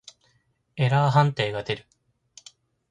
エラー判定が出る。